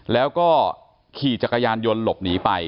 แล้วก็ขี่จักรยานยนต์หลบหนีไป